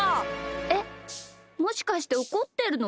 えっもしかしておこってるの？